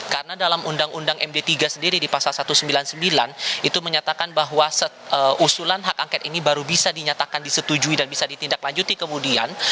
karena dalam undang undang md tiga sendiri di pasal satu ratus sembilan puluh sembilan itu menyatakan bahwa usulan hak angket ini baru bisa dinyatakan disetujui dan bisa ditindaklanjuti kemudian